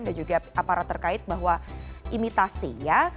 dan juga aparat terkait bahwa imitasi ya